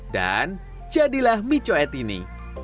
dan jadilah mie cowet ini